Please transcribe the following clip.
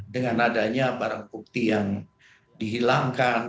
dengan adanya barang bukti yang dihilangkan